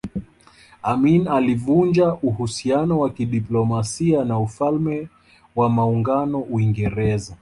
Amin alivunja uhusiano wa kidiplomasia na Ufalme wa Maungano Uingereza